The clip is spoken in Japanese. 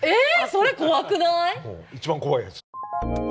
一番怖いやつ。